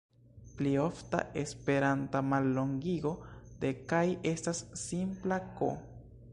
Pli ofta esperanta mallongigo de "kaj" estas simpla "k".